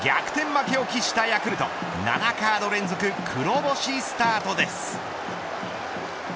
負けを喫したヤクルト７カード連続黒星スタートです。